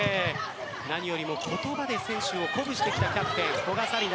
何よりも言葉で選手を鼓舞してきたキャプテン・古賀紗理那。